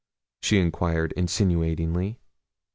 She inquired insinuatingly.